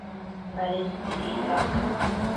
Parentsi iraka.